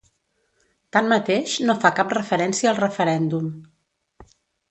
Tanmateix no fa cap referència al referèndum.